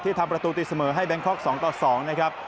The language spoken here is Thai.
ทำประตูตีเสมอให้แบงคอก๒ต่อ๒นะครับ